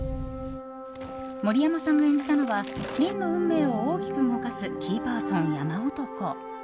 森山さんが演じたのは凛の運命を大きく動かすキーパーソン、山男。